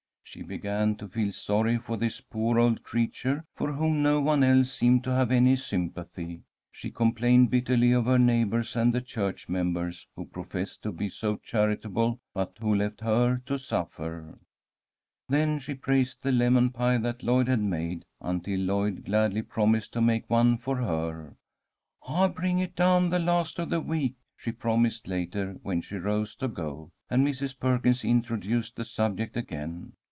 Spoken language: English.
She began to feel sorry for this poor old creature, for whom no one else seemed to have any sympathy. She complained bitterly of her neighbours and the church members who professed to be so charitable, but who left her to suffer. Then she praised the lemon pie that Lloyd had made, until Lloyd gladly promised to make one for her. "I'll bring it down the last of the week," she promised, later, when she rose to go, and Mrs. Perkins introduced the subject again.